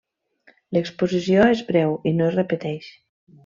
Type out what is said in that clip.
L'exposició és breu i no es repeteix.